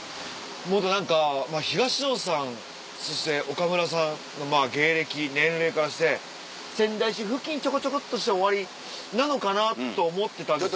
もっと何か東野さんそして岡村さんのまぁ芸歴年齢からして仙台市付近ちょこちょこっとして終わりなのかなと思ってたんですけど。